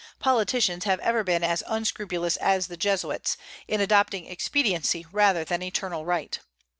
Politicians have ever been as unscrupulous as the Jesuits, in adopting expediency rather than eternal right.